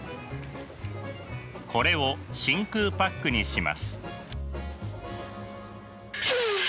これを真空パックにします。